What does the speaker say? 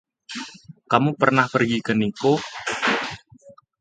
Kamu pernah pergi ke Nikko?